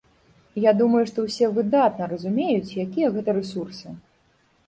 Я думаю, што ўсе выдатна разумеюць, якія гэта рэсурсы.